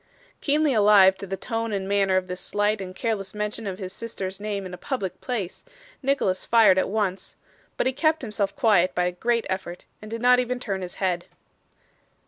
Keenly alive to the tone and manner of this slight and careless mention of his sister's name in a public place, Nicholas fired at once; but he kept himself quiet by a great effort, and did not even turn his head.